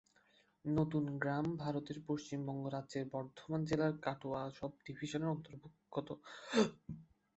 নতুন গ্রাম ভারতের পশ্চিমবঙ্গ রাজ্যের বর্ধমান জেলার কাটোয়া সব ডিভিশনের অন্তর্গত।